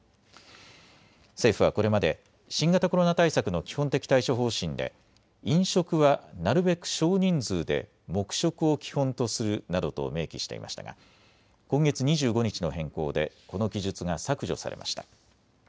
政府はこれまで新型コロナ対策の基本的対処方針で飲食はなるべく少人数で黙食を基本とするなどと明記していましたが今月２５日の変更でこの記述が削除されました。